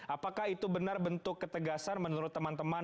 apakah itu benar bentuk ketegasan menurut teman teman